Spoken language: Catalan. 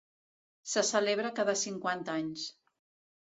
Se celebra cada cinquanta anys.